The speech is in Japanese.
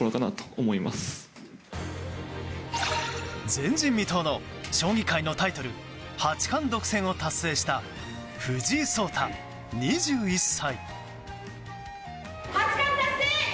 前人未到の、将棋界のタイトル八冠独占を達成した藤井聡太、２１歳。